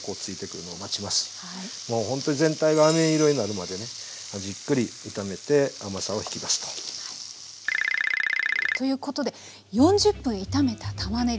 もうほんとに全体があめ色になるまでじっくり炒めて甘さを引き出すと。ということで４０分炒めたたまねぎ。